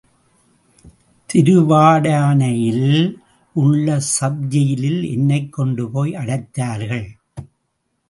திருவாடானையில் உள்ள சப் ஜெயிலில் என்னைக் கொண்டுபோய் அடைத்தார்கள்.